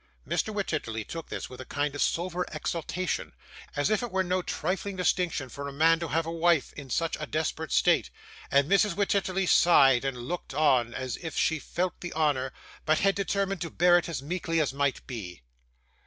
Mr. Wititterly told this with a kind of sober exultation, as if it were no trifling distinction for a man to have a wife in such a desperate state, and Mrs. Wititterly sighed and looked on, as if she felt the honour, but had determined to bear it as meekly as might be.